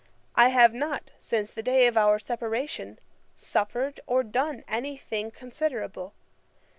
I have not, since the day of our separation, suffered or done any thing considerable.